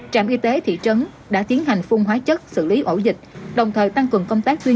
trạm y tế thị trấn đã tiến hành phun hóa chất xử lý ổ dịch đồng thời tăng cường công tác tuyên